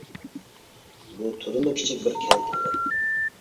بۇ تولىمۇ كىچىك بىر كەنت ئىدى.